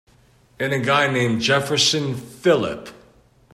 And a guy named Jefferson Phillip.